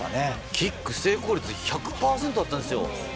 キック成功率１００％だったんですよ。